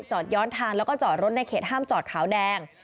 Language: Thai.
ย้อนทางแล้วก็จอดรถในเขตห้ามจอดขาวแดง